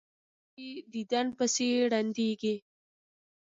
څوک یې دیدن پسې ړندیږي.